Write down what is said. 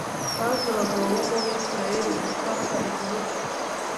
haje abagabo bo mu Bisirayeli gutata igihugu